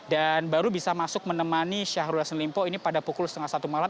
dan baru bisa masuk menemani syahrul yasin limpo ini pada pukul setengah satu malam